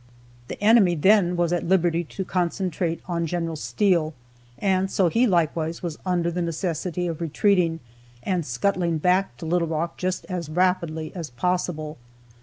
The enemy then was at liberty to concentrate on General Steele, and so he likewise was under the necessity of retreating, and scuttling back to Little Rock just as rapidly as possible.